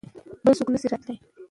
بل څوک نه شي راتلای.